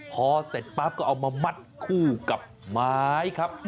พอเสร็จปั๊บก็เอามามัดคู่กับไม้ครับ